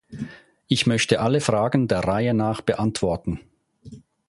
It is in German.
Ich möchte alle Fragen der Reihe nach beantworten.